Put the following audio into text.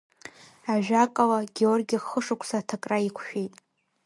Ажәакала, Георги хышықәса аҭакра иқәшәеит.